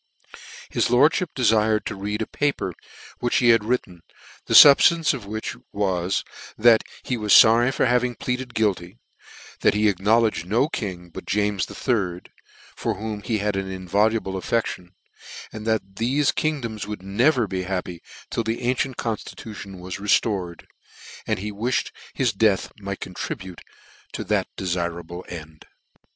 His lordfhip defired to read a paper which he had written, the fubftance of which was, that he was forry for having pleaded guilty; that he acknowledged no king but James the Third, for whom he had an inviolable affedHon, and that thefe kingdoms would never be happy till the ancient constitution was reltored ; and he wifhed his death might contribute to that defirable end.